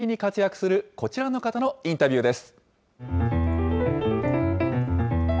続いては、世界的に活躍するこちらの方のインタビューです。